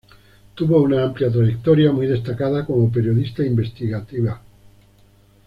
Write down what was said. Tuvo una amplia trayectoria muy destacada como periodista investigativa.